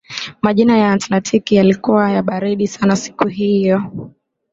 maji ya atlantiki yalikuwa ya baridi sana siku hiyoi